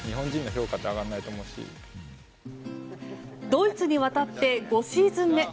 ドイツに渡って５シーズン目。